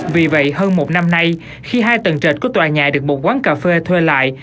vì vậy hơn một năm nay khi hai tầng trệt của tòa nhà được một quán cà phê thuê lại